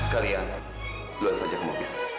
kalian luar saja ke mobil